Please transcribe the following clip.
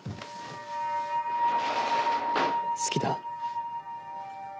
好きだ。